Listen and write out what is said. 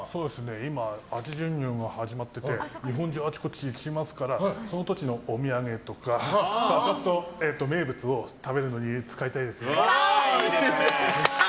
今、秋巡業が始まってて日本中あちこち行きますからその時のお土産とか名物を食べるのに使いたいです。